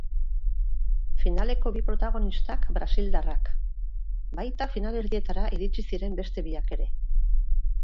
Finaleko bi protagonistak brasildarrak, baita finalerdietara iritsi ziren beste biak ere.